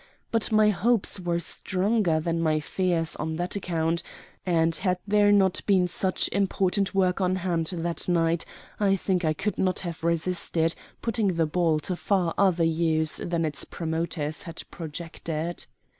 But my hopes were stronger than my fears on that account, and had there not been such important work on hand that night I think I could not have resisted putting the ball to far other use than its promoters had projected.